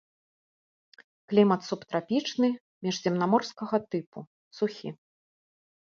Клімат субтрапічны, міжземнаморскага тыпу, сухі.